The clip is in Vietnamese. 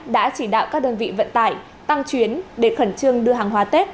đã chỉ đạo các đơn vị vận tải tăng chuyến để khẩn trương đưa hàng hóa tết